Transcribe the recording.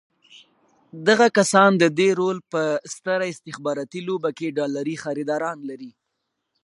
دغه کسان د دې رول په ستره استخباراتي لوبه کې ډالري خریداران لري.